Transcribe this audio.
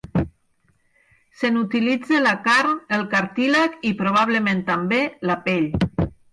Se n'utilitza la carn, el cartílag i, probablement també, la pell.